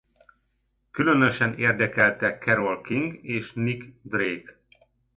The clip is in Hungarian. Különösen érdekelte Carole King és Nick Drake.